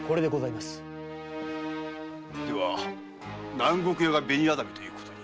では南国屋が紅薊ということに？